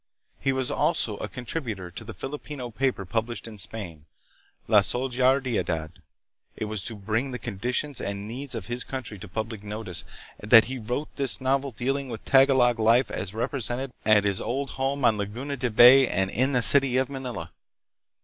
He was also a contributor to the Filipino paper published in Spain, " La Solidar idad." It was to bring the conditions and needs of his country to public notice, that he wrote this novel Dr. Rizal. 282 THE PHILIPPINES. dealing with Tagalog life as represented at his old home on Laguna de Bay and in the city of Manila.